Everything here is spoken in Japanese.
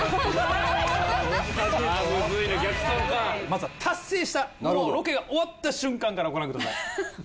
まずは達成したもうロケが終わった瞬間からご覧ください。